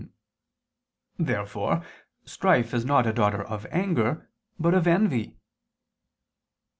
Therefore strife is not a daughter of anger, but of envy.